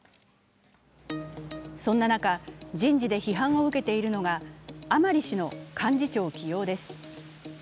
そんな中、人事で批判を受けているのが甘利氏の幹事長起用です。